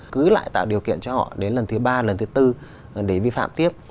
cứ lại tạo điều kiện cho họ đến lần thứ ba lần thứ tư để vi phạm tiếp